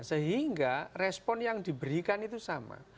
sehingga respon yang diberikan itu sama